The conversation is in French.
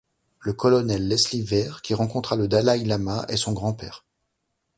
Le colonel Leslie Weir qui rencontra le dalaï-lama est son grand-père.